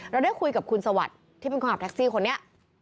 ได้คุยกับคุณสวัสดิ์ที่เป็นคนขับแท็กซี่คนนี้